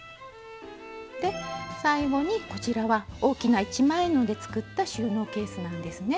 最後にこちらは大きな一枚布で作った収納ケースなんですね。